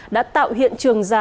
đã tạo hiện trường giả